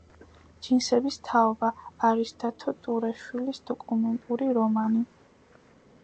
ჯინსების თაობა არის დათო ტურაშვილის დოკუმენტური რომანი